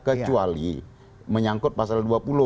kecuali menyangkut pasal dua puluh